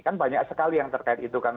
kan banyak sekali yang terkait itu kan